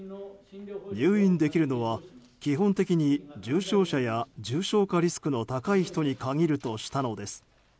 入院できるのは基本的に重症者や重症化リスクの高い人に限るとしたのです。